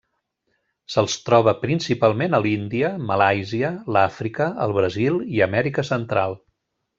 Se'ls troba principalment a l'Índia, Malàisia, l'Àfrica, el Brasil i Amèrica Central.